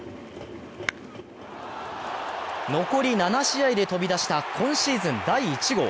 残り７試合で飛び出した今シーズン第１号。